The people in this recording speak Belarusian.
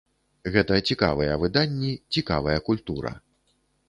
Гэта цікавыя выданні, цікавая культура.